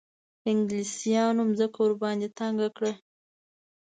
انګلیسیانو مځکه ورباندې تنګه کړه.